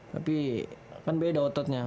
tapi kan beda ototnya